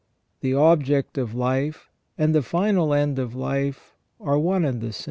The object of life and the final end of life are one and the same.